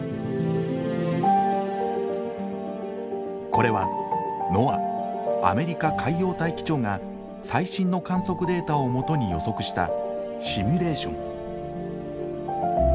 これはＮＯＡＡアメリカ海洋大気庁が最新の観測データを基に予測したシミュレーション。